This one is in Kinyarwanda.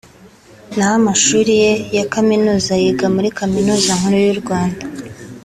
naho amashuri ye ya Kaminuza ayiga muri Kaminuza nkuru y’u Rwanda